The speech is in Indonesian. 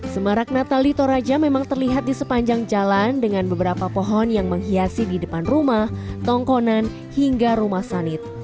semarak natal di toraja memang terlihat di sepanjang jalan dengan beberapa pohon yang menghiasi di depan rumah tongkonan hingga rumah sanit